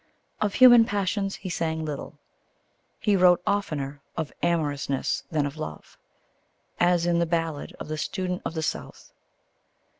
Of human passions he sang little. He wrote oftener of amorousness than of love, as in _The Ballad of the Student of the South.